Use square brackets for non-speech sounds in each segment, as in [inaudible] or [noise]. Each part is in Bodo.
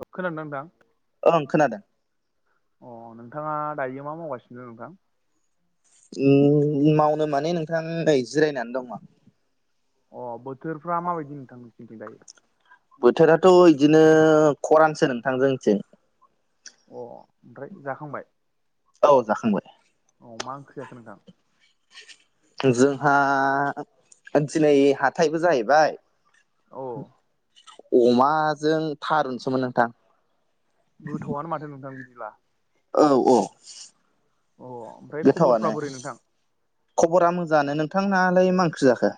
औ खोनादोंांदां ओं खोनादों अ नोंथाङा दायो मा मावगासिनो नोंथां मावनो माने नोंथां नै जिरायनानै दं अ बोथोरफ्रा माबायदि नोंथांनोसिंथि दायो बोथोराथ' बिदिनो खरानसो नोंथांजोंथिं अ ओमफ्राय जाखांबाय औ जाखांब अ मा ओंख्रियाखै नोंथां जोंहा दिनै हाथायबो जाहैबाय अ अमाजों थारुनसोमोन नोंथां गोथौआनो माथो नोंथां बिदिब्ला औ औ अ ओमफ्राय खबरफ्रा गोथावानो बोरै नोंथां खबरा मोजाङानो नोंथांनालाय मा ओंख्रि जाखो।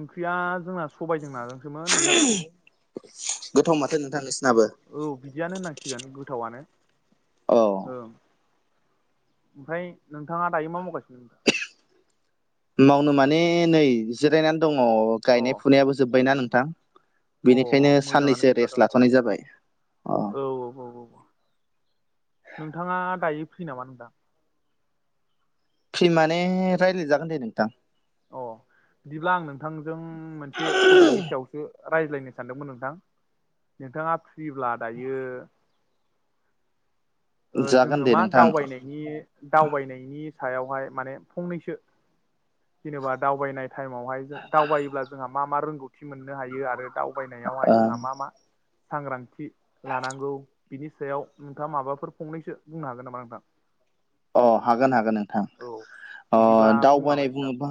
ओंख्रिया जोंना सबायजों नाजोंसोमोन नोंथां। गोथाव माथो नोंथां नोंसिनाबो। औ बिदियानो होननांसिगोन गोथावनो औ ओं। ओमफ्राय नोंथाङा दायो मा मावगासिनो मावनो माने नै जिरायनानै दङ अ गायनाय फुनायाबो जोब्बायना नोंथां बेनिखायनो अ मोजाङानो साननैसो बिदिबाथ' रेस्ट औ लाथ'नाय जाबाय अ औ औ औ नोंथाङा दायो फ्रि नामा नोंदां फ्रि माने रायज्लायजागोन दे नोंथां। अ बिदिब्ला आं नोंथांजों मोनसे टपिकनि सायावसो रायज्लायनो सानदोंमोन नोंथां नोंथाङा फ्रिब्ला दायो जागोन जोङो दे मा नोंथां दावबायनायनि दावबायनायनि सायावहाय माने फंनैसो जेनेबा दावबायनाय टाइमावहाय जों दावबायोब्ला जोंहा मा-मा रोंगौथि मोननो हायो आरो दावबायनायावहाय जोंहा ओ मा-मा सांग्रांथि लानांगौ बिनि सायाव नोंथाङा माबाफोर फंनैसो बुंनो हागोन नामा नोंथां। अ हागोन-हागोन नोंथां औ अ बिदिब्ला दावबायनाय बुंलांलाय नोंथां बुङोबा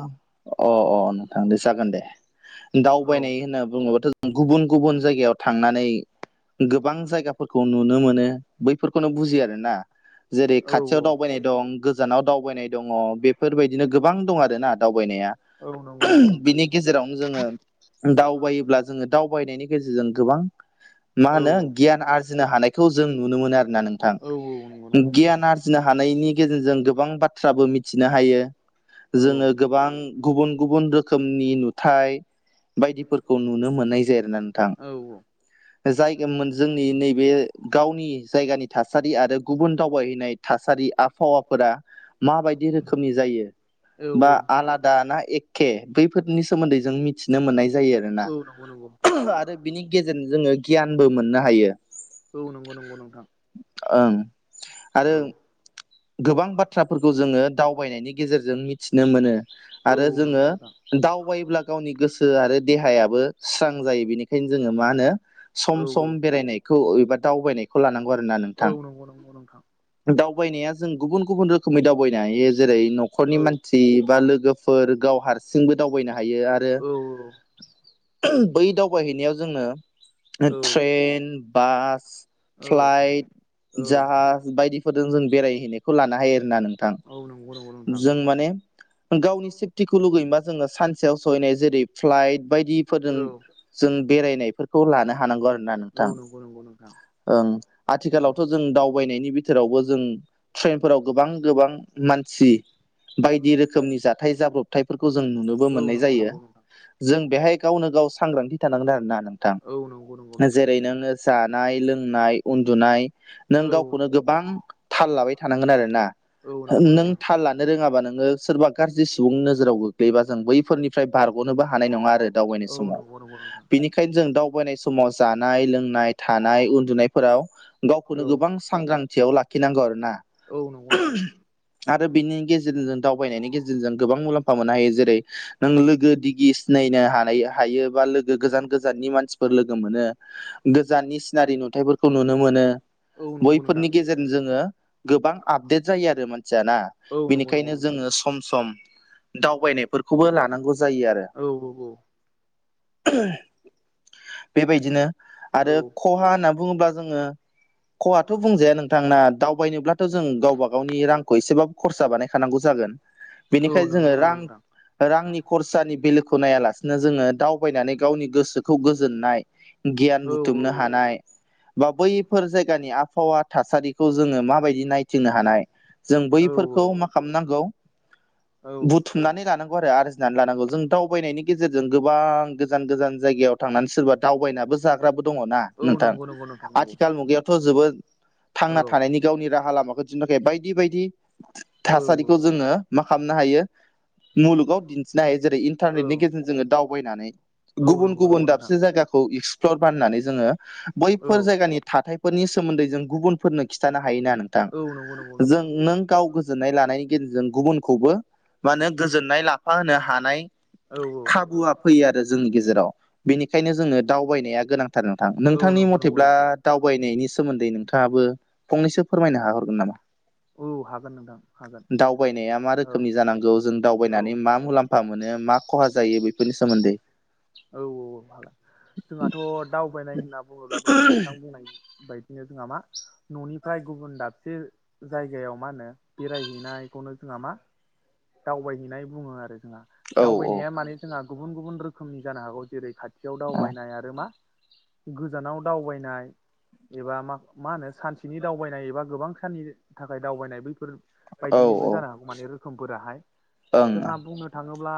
अ-अ नोंथां औ दे जागोन दे। औ दावबायनाय होनना बुङोबाथ' गुबुन-गुबुन जायगायाव थांनानै गोबां जायगाफोर खौ नुनो मोनो बैफोरखौनो बुजियो आरोना जेरै औ खाथियाव औ दाव दावबायनाय दं गोजानाव दावबायनाय दङ बेफोरबायदिनो गोबां दं आरोना दावबायनाया। औ नंगौ नंगौ नोंथां बिनि गेजेरावनो जोङो दावबायोब्ला जोङो दावबायनायनि गेजेरजों गोबां मा औ होनो गियान आरजिनो हानायखौ जों नुनो मोनो आरो। ना नोंथां औ औ नंगौ नंगौ गियान आरजिनो नायनि गेजेरजों गोबां बाथ्राबो मिथिनो हायो औ जोङो गोबां गुबुन-गुबुन रोखोमनि नुथाय बायदिफोरखौ नुनो मोननाय जायो आरोना नोंथां। [unintelligible] जायगाेनमोन जोंनि नैबे गावनि जायगानि थासारि आरो गुबुन दावबायहैनाय थासारि आबहावाफोरा माबायदि रोखोमनि जायो औ बा आलादा ना ए- के बैफोरनि सोमोन्दै जों मिथिनो मोननाय जायो आरो ना औ नंगौ नंगौ आरो बिनि गेजेरजों जोङो गियानबो मोननो हायो। औ नंगौ-नंगौ नोंथां। ओं औ आरो गोबां बाथ्राफोरखौ जोङो दावबायनायनि गेजेरजों मिथिनो मोनो औ आरो नंगौ जोङो नोंथां दावबायोब्ला गावनि गोसो आरो देहायाबो स्रां जायो बेनिखायनो जोङो मा होनो औ औ सम-सम बेरायनायखौ एबा दावबायनायखौ लानांगौ आरो ना औ नोंथां। नंगौ नंगौ नोंथां दावबायनाया जों गुबुन-गुबुन रोखोमै दावबायनो हायो जेरै औ न'खरनि मानसि सि बा लोगोफोर गाव हारसिंबो दावबायनो हायो आरो औ बै दावबायहैनायाव जोंनो औ ट्रेन बास फ्लाइट औ जाहाज बायदिफोरजों जों बेराय हैनायखौ लानो हायो आरो ना नोंथां औ नंगौ नंगौ नोंथां जों माने गावनि सेपतिखौ लुगैयोबा जोङो सानसेयाव सहैनाय जेरै फ्लाइट बायदिफोरजों औ जों बेरायनायफोरखौ लानो हानांगौ आरो ना औ नोंथां। नंगौ नंगौ नोंथां ओं औ आथिखालावथ' जों दावबायनायनि बिथोरावबो जों ट्रेनफोराव गोबां-गोबां मानसि बायदि रोखोमनि जाथाय जाब्रबथायफोरखौ जों नुनो बो औ मोननाय नंगौ जायो नंगौ नोंथां जों बेहाय गावनो गाव सांग्रांथि थानांगोन आरोना नों थां औ नंगौ नंगौ नोंथां जेरै नोङो जानाय लोंनाय उन्दुनाय नों औ गावखौनो गोबां थाल लाबाय थानांगोन आरो ना औ नंगौ नों नोंथां थाल ला रोङाबा नोङो सोरबा गाज्रि सुबुंनि नोजोराव गोग्लैबा जों बैफोरनिफ्राय बारग'नोबो हानाय नङा आरो दावबायनाय औ समाव नंगौ नंगौ नोंथां बेनि खायद जों दावबायनाय समाव जानाय लोंनाय थानाय उन्दुनायफोराव गावखौनो औ गोबां सांग्रांथियाव लाखिनांगौ आरो ना। औ नंगौ नोंथां आरो बिनि गेजेरजों जों दावबायनायनि गेजेरजों गोबां मुलाम्फा मोननो हायो जेरै नों लोगो दिगि सिनायनो हानाय हायो बा लोगो गोजान गोजाननि मानसिफोर लोगो मोनो। गोजाननि सिनारि नुथायाइफोरखौ नुनो मोनो औ नंगौ बैफोरनि नोंथां गेजेरजों जोङो गोबां आपदेट जायो आरो मानसिया ना औ नंगौ नंगौ बेनिखायनो नोंथां जोङो सम सम दावबायनायफोरखौबो लानांगौ जायो आरो। औ औ औ। बेबायदिनो औ आरो ख खहा होनना बुङोब्ला जोङो खहाथ' बुंजाया नोंथांना दावबायनोब्ला थ जों गावबा गावनि रांखौ एसेबाबो खरसा बानायखानांगौ जागोन औ बेनिखायनो जोङो नंगौ नंगौ नोंथां रां रांनि खरसानि बिलोखौ नायालासिनो जोङो दावबायनानै गावनि गोसोखौ गोजोननाय गियान औ बुथुमनो हानाय बा बैफोर जायगानि आबहावा थासारिखौ जोङो माबायद दि नायथिंनो हानाय जों औ बैफोरखौ मा औ खालामनांगौ औ औ बुथ नानै लानांगौ आरो आरजिनानै लानांगौ जों दावबायनायनि गेजेरजों गोबां गोजान गोजान जायगायाव थांनानै सोरबा दावबायनाबो जाग ग्राबो दङ ना औ नोंथां नंगौ नंगौ नोंथां नंगौ आथिखाल मुगायावथ' जोबोद औ थांना थानायनि गावनि राह हा लामाखौ दिहुन्नो थाखाय बायदि बायदि औ थासारिखौ जोङो मा खालामनो हायो मुलुगाव दिन्थिनो हायो जेरै औ इन्टारनेटनि गेजेरजों जोङो दावबायनानै औ गुबुन नंगौ गुबुन नंगौ नोंथां दाबसे जायगाखौ इक्स फ्लर बाननानै जोङो औ बैफोर जायगानि थाथायफोरनि सोमोन्दै जों गुबुनफोरनो खिन्थानो हायो ना नों थां औ नंगौ नंगौ जों नों नोंथां गाव गोस गोजोननाय लानायनि गेजेरजों गुबुनखौबो मा होनो गोजोननाय लाफा होनो हानाय औ औ। बुआ फैयो आरो जोंनि गेजेराव बेनिखायनो जोंनो दावबायनाया गोनां थार नोंथां औ नोंथांनि नंगौ नंगौ मथेब्ला नोंथां दावबायनायनि सोमोन्दै नोंथाङाबो फंनैसोफ फोरमायनो हाहरगोन नामा? औ हागोन नोंथां हागोन दावबायनाया मा औ रोखोमनि जानांगौ जों औ दावबायनानै मा मुलाम फा मोनो मा खहा जायो बेफोरनि सोमोन्दै औ औ हागोन जोंहाथ' दावबायनाय होनना बुङोब्ला दहाय नोंथां बुंनाय बायदिनो जोंहा मा न' निफाय गुबुन दाबसे जायगायाव मा होनो बेरायहैनायखौनो जोंहा मा दावबायहैनाय बुङो आरो जोंहा औ औ दावबायनाया माने ज जोंहा गुबुन गुबुन रोखोमनि जानो हागौ जेरै खाथियाव दावबायनाय आरो मा गोजानाव दावबायनाय। एबा मा मा होनो सानसेनि दावबायनाय एबा गोबां साननि थाखाय दावबायनाय बैफोर औ बायदिबो औ जानो हागौ माने रोखोमफोराहाय ओं जोंहा बुंनो थाङोब्ला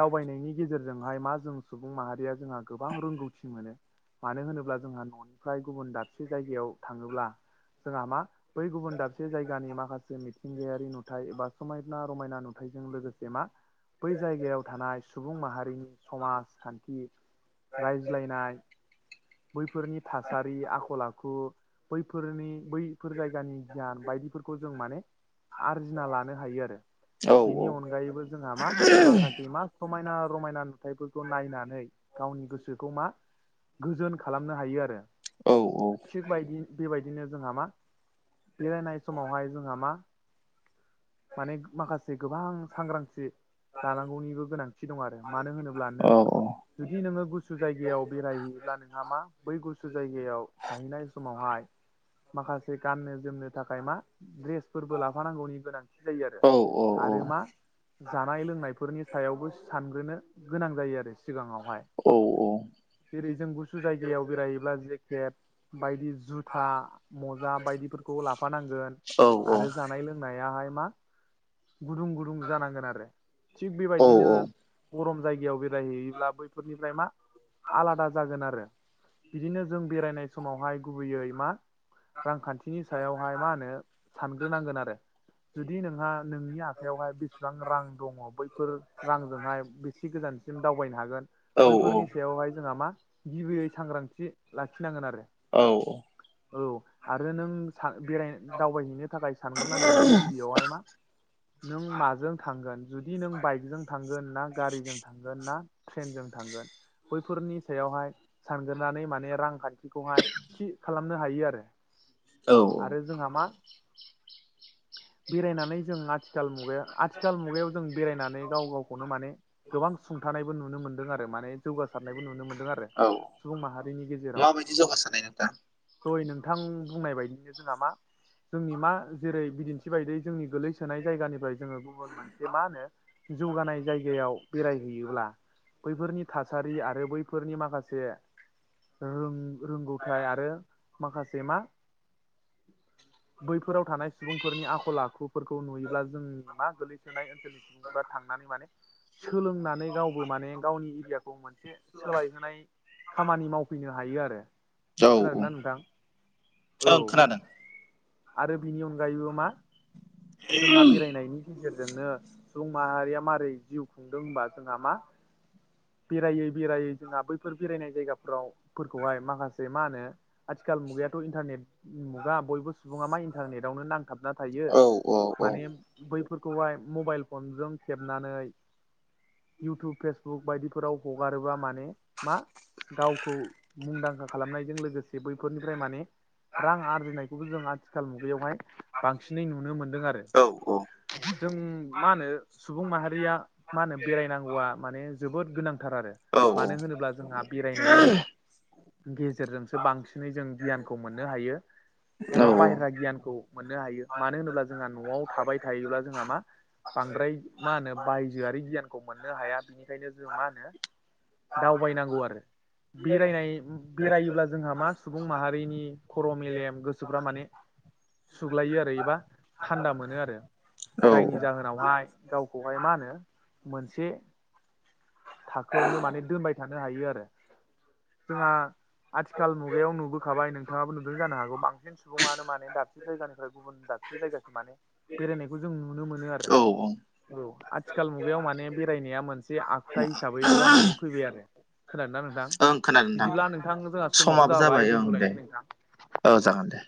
दावबायनायनि गेजेरज जोंहाय मा जों सुबुं माहारिया जोंहा गोबां रोंगौथि मोनो। मानो होनोब्ला जोंहा न'निफ्राय गुबुन दाबसे जायगायाव थाङोब्ला जोंहा मा बै गुबुन दाबसे जायगानि माखासे मिथिंगायारि नुथाय एबा समायना रमायना नुथायजों लोगोसे मा बै जायगायाव थानाय सुबुं माहार रिनि समाजखान्थि रायज्लायनाय बैफोरनि थासारि आखल आखु बैफोरनि बै फोर जायगानि गियान बायदिफोरखौ जों माने आरजिना लानो हायो आरो। औ बिनि अनगायैबो जोंहा मा माखासे मा समायना रमायना नुथायफोरखौ नायनानै गावनि गोसोखौ मा गोजोन खालामनो हायो आरो औ थिगबायदि बेबायदिनो जोंहा मा बेरायनाय समावहाय जोंहा मा माने माखासे गोबां सांग्रांथि लानांगौनिबो गोनांथि दं आरो। मानो होनोब्ला औ नों जुदि नोङो गुसु जायगायाव बेरायहैयोब्ला नोंहा मा बै गुसु जायगायाव थाहैनाय समावहाय माखासे गाननो जोमनो थाखाय मा ड्रेसफोरबो लाफानांगौनि गोनांथि जायो आरो औ आरो मा जानाय लोंनायफोरनि सायावबो सानग्रोनो गोनां जायो आरो सिगाङावहाय। औ औ। जेरै जों गुसु जायगायाव बेरायोब्ला जेकेट बायदि जुथा मजा बायदिफोरखौ लाफानांगोन आरो जानाय लों जोमनायाहाय मा गुदुं गुदुं जानांगोन आरो थिग बेबायदि नोङो गरम जायगायाव बेरायहैयोब्ला बैफोरनिफ्राय मा आलादा जागोन आरो बिदिनो जों बेरायनाय समावहाय गुबैयै मा रांखान्थिनि सायावहाय मा होनो सानग्रोनांगोन आरो। जुदि नोंहा नोंनि आखाइायावहाय बेसेबां रां दङ बैफोर रांजोंहाय बेसि गोजानसिम दावबायनो हागोन बैफोरनि औ बेयावहाय जोंहा मा गिबियै सांग्रांथि लाखिनांगोन आरो। औ औ औ आरो नों बेराय दावबायहैनो थाखाय सानग्रोनांगोन दि गिबियावहाय मा नों माजों थांगोन जुदि नों बाइकजों थांगोन ना गारिजों थांगोन ना ट्रेनजों थांगोन बैफोरनि सायावहाय सानग्रोनानै माने रांखान्थिखौहाय थि खालामनो हायो आरो। औ जोंहा मा बेरायनानै जों आथिखाल मुगायाव आथिखाल मुगायाव जों बेरायनानै गाव गावखौनो माने गोबां सुंथानाय बो नुनो मोनदों आरो माने जौगासारनायबो नुनो मोनदों आरो औ सुबुं माहारिनि गेजेराव माबायदि जौगासारनाय नोंथां दहाय नोंथां बुंनाय बायदिनो जोंहा मा जोंनि मा जेरै बिदिन्थि बायदि जोंनि गोलैसोनाय जायगानिफ्राय जोङो गुबुन मोनसे मा होनो जौगानाय जायगायाव बेरायहैयोब्ला बैफोरनि थासारि आरो बैफोरनि माखासे रों रोंगौथाय आरो माखासे मा बैफोराव थानाय सुबुंफोरनि आखल आखुफोरखौ नुयोब्ला जोंनि मा गोलैसोनाय ओनसोलनि सुबुंफोरा थांनानै माने सोलोंनानै गावबो माने गावनि एरियाखौ मोनसे सोलायहोनाय खामानि मावफैनो हायो आरो औ औ खोनादों ना नोंथां। औ ओं खोनादों आरो बिनि अनगायैबो मा जोंहा बेरायनायनि गेजेरजोंनो सुबुं माहारिया मारै जिउ खुंदों होनबा जोंहा मा बेरायै बेरायै जोंहा बैफोर बेरायनाय जायगाफोरावफोरखौहाय माखासे मा होनो आथिखाल मुगायाथ' इन्टारनेट मुगा बयबो सुबुङा मा इन्टारनेटावनो नांथाबना थायो। औ औ औ माने बैफोरखौहाय मबाइल फनजों खेबनानै इउटुब फेसबुक बायदिफोराव हगारोबा माने मा गावखौ मुंदांखा खालामनायजों लोगोसे बैफोरनिफ्राय माने रां आरजिनायखौबो जों आथिखाल मुगायावहाय बांसिनै नुनो मोनदों आरो। औ औ जों मा होनो सुबुं माहारिया मा होनो बेरायनांगौआ माने जोबोद गोनांथार आरो मानो होनोब्ला जोंहा बेरायनायनि गेजेरजोंसो बांसिनै जों गियानखौ मोननो हायो एबा औ बाहेरा गियानखौ मोननो हायो मानो होनोब्ला जोंहा न'आव थाबाय थायोब्ला जोंहा मा बांद्राय मा होनो बायजोआरि गियानखौ मोननो हाया बिनिखायनो जों मा होनो दावबायनांगौ आरो बेरायनाय बेरायोब्ला जोंहा मा सुबुं माहारिनि खर' मेलेम गोसोफ्रा माने सुग्लायो आरो एबा थान्दा मोनो आरो औ जायनि जाहोनावहाय गावखौहाय मा होनो मोनसे थाखोआवनो माने दोनबाय थानो हायो आरो जोंहा आथि आथिखाल मुगायाव नुबोखाबाय नोंथाङाबो नुदों जानो हागौ बांसिन सुबुङानो माने दाबसे जायगानिफ्राय गुबुन दाबसे बे जायगासम माने बेरायनायखौ जों नुनो मोनो आरो ओं औ आथिखाल मुगायाव माने बेरायनाया मोनसे आखुथाइ हिसाबै जानानै फैबाय आरो खोनादों ना नोंथां? बिदिब्ला नोंथां जोंहा समाबो जाबाय दोनथ'लायनोसै नोंथां औ जागोन दे